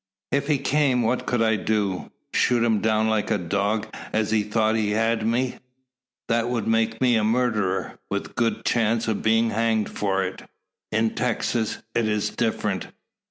"If he came what could I do? Shoot him down like a dog, as he thought he had me? That would make me a murderer, with good chance of being hanged for it. In Texas it is different.